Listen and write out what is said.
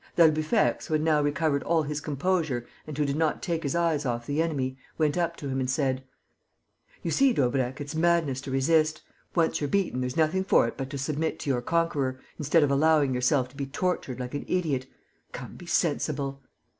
D'Albufex, who had now recovered all his composure and who did not take his eyes off the enemy, went up to him and said: "You see, Daubrecq, it's madness to resist.... Once you're beaten, there's nothing for it but to submit to your conqueror, instead of allowing yourself to be tortured like an idiot.... Come, be sensible."